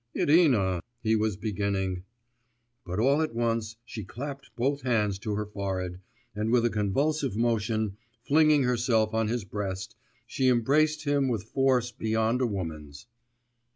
'Irina,' he was beginning But all at once she clapped both hands to her forehead, and with a convulsive motion, flinging herself on his breast, she embraced him with force beyond a woman's.